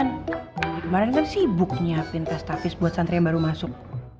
kemarin kan sibuk nyiapin pestapis buat santri yang baru masuk